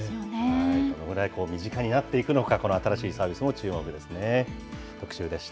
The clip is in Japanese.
どれぐらい身近になっていくのか、この新しいサービスも注目ですね。